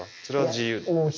それは自由？